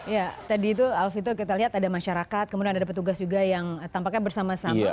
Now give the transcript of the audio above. ya tadi itu alvito kita lihat ada masyarakat kemudian ada petugas juga yang tampaknya bersama sama